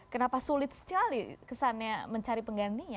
kenapa sulit sekali kesannya mencari penggantinya